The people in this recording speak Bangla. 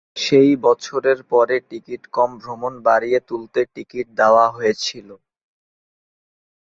সেই বছরের পরে, টিকিট-কম ভ্রমণ বাড়িয়ে তুলতে টিকিট দেওয়া হয়েছিল।